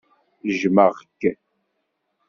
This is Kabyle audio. Jmeɣ-k.